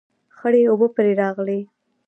خړې اوبه پرې راغلې